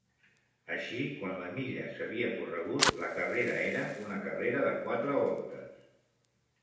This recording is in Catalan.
Així quan la milla s'havia corregut, la carrera era una carrera de quatre voltes.